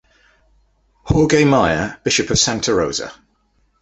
Jorge Mayer, bishop of Santa Rosa.